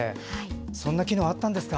そんな機能あったんですか。